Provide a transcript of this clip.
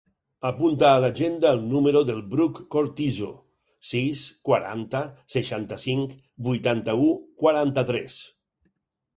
Apunta a l'agenda el número del Bruc Cortizo: sis, quaranta, seixanta-cinc, vuitanta-u, quaranta-tres.